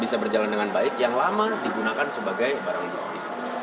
bisa berjalan dengan baik yang lama digunakan sebagai barang bukti